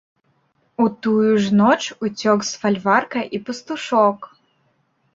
У тую ж ноч уцёк з фальварка і пастушок.